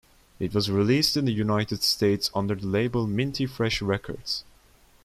It was released in the United States under the label Minty Fresh Records.